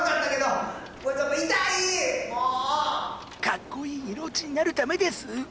かっこいい色落ちになるためです。